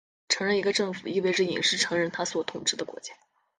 承认一个政府意味着隐式承认它所统治的国家。